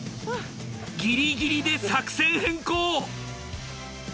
ギリギリで作戦変更。